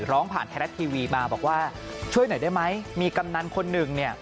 ร้องผ่านไทยรัฐทีวีมาบอกว่าช่วยหน่อยได้ไหมมีกำนันคนหนึ่งเนี่ย